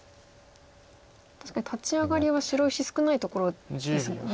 確かに立ち上がりは白石少ないところですもんね。